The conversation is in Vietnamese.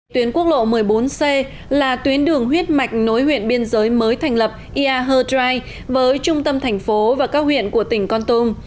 tuyến quốc lộ một mươi bốn c là tuyến đường huyết mạch nối huyện biên giới mới thành lập ia her drai với trung tâm thành phố và các huyện của tỉnh con tum